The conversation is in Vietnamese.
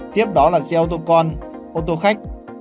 tiếp đó là xe ô tô con ô tô khách